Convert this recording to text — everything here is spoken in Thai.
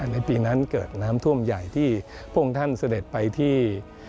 ในปีนั้นเกิดน้ำท่วมใหญ่ที่พระองค์ท่านเสด็จไปที่